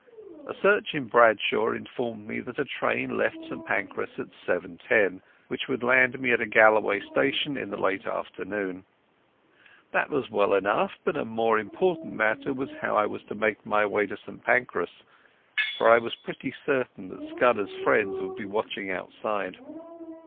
A search in Bradshaw informed me that a train left St Pancras at 7.10, which would land me at any Galloway station in the late afternoon. That was well enough, but a more important matter was how I was to make my way to St Pancras, for I was pretty certain that Scudder's friends would be watching outside.